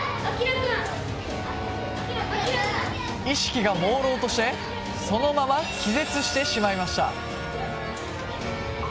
意識がもうろうとしてそのまま気絶してしまいました